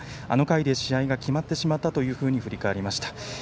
あの回で試合が決まってしまったというふうに振り返りました。